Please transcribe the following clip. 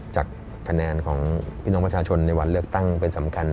จากคะแนนของพี่น้องประชาชนในวันเลือกตั้งเป็นสำคัญ